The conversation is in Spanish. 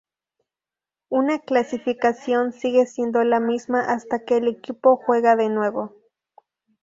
Una clasificación sigue siendo la misma hasta que el equipo juega de nuevo.